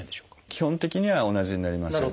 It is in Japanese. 基本的には同じになります。